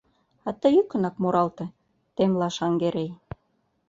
— А тый йӱкынак муралте, — темла Шаҥгерей.